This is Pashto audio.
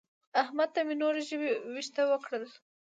احمد ته مې نور ژبې وېښته وکړل.